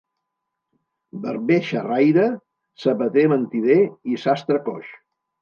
Barber xarraire, sabater mentider i sastre coix.